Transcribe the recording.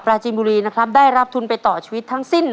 ปลาจิมูรีได้รับทุนไปต่อชีวิตทั้งสิ้น